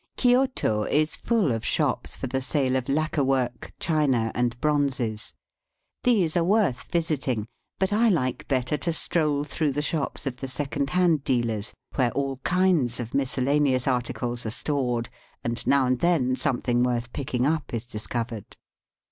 Kioto is full of shops for the sale of lacquer work, china, and bronzes. These are worth visiting; but I like better to stroll through the shops of the secondhand dealers, where all kinds of miscellaneous articles are stored, and now and then something worth picking up is discovered.